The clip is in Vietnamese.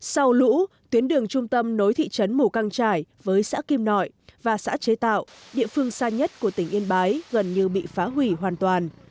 sau lũ tuyến đường trung tâm nối thị trấn mù căng trải với xã kim nội và xã chế tạo địa phương xa nhất của tỉnh yên bái gần như bị phá hủy hoàn toàn